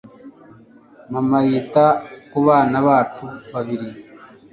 mama yita kubana bacu babiri